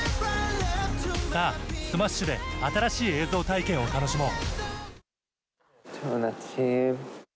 さあ、スマッシュで新しい映像体験を楽しもう。